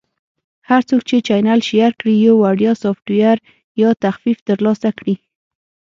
- هر څوک چې چینل Share کړي، یو وړیا سافټویر یا تخفیف ترلاسه کړي.